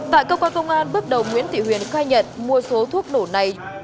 tại cơ quan công an bước đầu nguyễn thị huyền khai nhận